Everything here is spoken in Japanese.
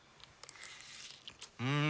うん！